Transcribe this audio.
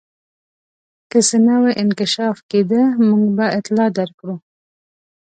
که څه نوی انکشاف کېدی موږ به اطلاع درکړو.